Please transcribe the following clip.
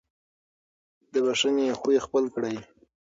د بښنې خوی خپل کړئ.